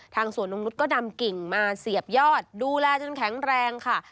สวนนกนุษย์ก็นำกิ่งมาเสียบยอดดูแลจนแข็งแรงค่ะ